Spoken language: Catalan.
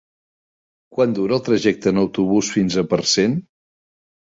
Quant dura el trajecte en autobús fins a Parcent?